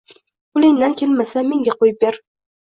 Qo‘lingdan kelmasa, menga qo‘yib ber…